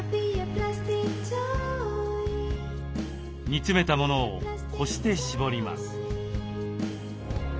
煮詰めたものをこして絞ります。